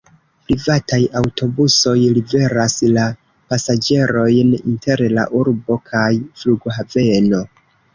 Privataj aŭtobusoj liveras la pasaĝerojn inter la urbo kaj flughaveno.